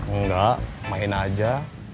enggak main aja